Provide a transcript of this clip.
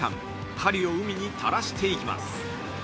針を海に垂らしていきます。